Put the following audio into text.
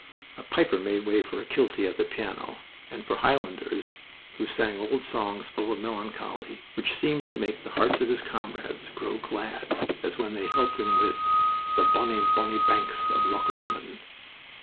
The piper made way for a Kiltie at the piano, and for Highlanders, who sang old songs full of melancholy, which seemed to make the hearts of his comrades grow glad as when they helped him with "The Bonnie, Bonnie Banks of Loch Lomond."